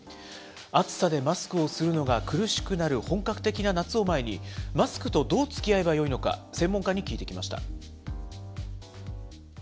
暑さでマスクをするのが苦しくなる本格的な夏を前に、マスクとどうつきあえばよいのか、専門家に聞いてきました。